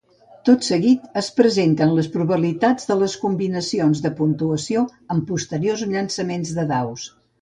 Tot seguit es presenten les probabilitats de les combinacions de puntuació en posteriors llançaments dels daus.